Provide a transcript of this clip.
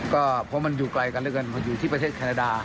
ก็เพราะมันอยู่ไกลกันแล้วกันเพราะอยู่ที่ประเทศแคนาดา